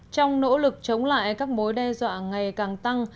trong nỗ lực chống lại các mối đe dọa ngày càng tăng